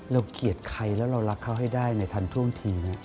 เกลียดใครแล้วเรารักเขาให้ได้ในทันท่วงที